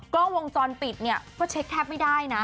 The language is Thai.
กล้องวงจรปิดเนี่ยก็เช็คแทบไม่ได้นะ